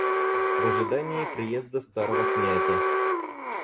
В ожидании приезда старого князя.